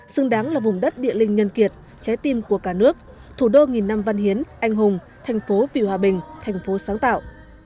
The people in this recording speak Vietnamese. xứng đáng là vùng đất địa linh nhân kiệt trái tim của cả nước thủ đô nghìn năm văn hiến anh hùng thành phố vì hòa bình thành phố sáng tạo